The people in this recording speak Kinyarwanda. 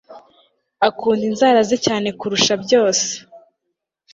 Akunda inzara ze cyane kurusha byose